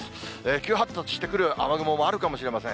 急発達してくる雨雲もあるかもしれません。